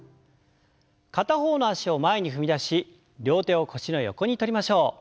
片方の脚を前に踏み出し両手を腰の横にとりましょう。